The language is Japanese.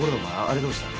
あれどうした？